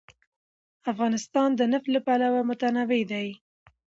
افغانستان د نفت له پلوه متنوع دی.